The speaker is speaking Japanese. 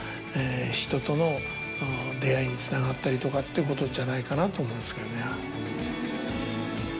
つながったりとかっていうことじゃないかなと思うんですけどね。